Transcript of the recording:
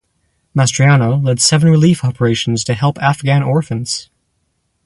Mastriano led seven relief operations to help Afghan orphans.